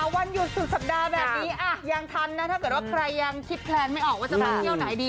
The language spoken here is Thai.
วันหยุดสุดสัปดาห์แบบนี้ยังทันนะถ้าเกิดว่าใครยังคิดแพลนไม่ออกว่าจะมาเที่ยวไหนดี